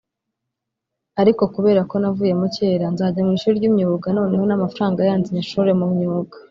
Ariko kuberako navuyemo kera nzajya mu ishuri ry’imyuga noneho n’amafaranga yandi nyashore mu myuga